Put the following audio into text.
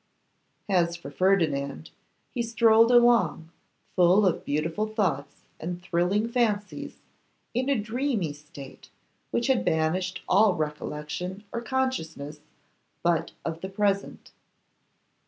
As for Ferdinand, he strolled along, full of beautiful thoughts and thrilling fancies, in a dreamy state which had banished all recollection or consciousness but of the present.